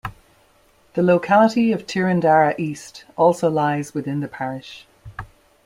The locality of Tyrendarra East also lies within the parish.